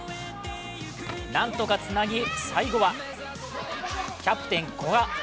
何とかつなぎ、最後は、キャプテン・古賀。